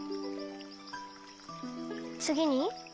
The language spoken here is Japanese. つぎに？